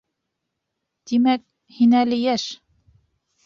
— Тимәк, һин әле йәш.